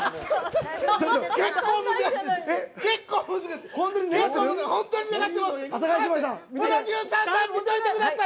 結構難しい！